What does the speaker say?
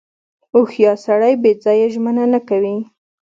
• هوښیار سړی بې ځایه ژمنه نه کوي.